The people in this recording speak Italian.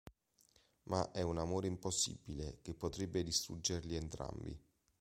Ma è un amore impossibile, che potrebbe distruggerli entrambi.